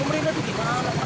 pemerintah itu gimana